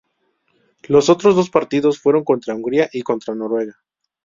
Los otros dos partidos fueron contra Hungría y contra Noruega.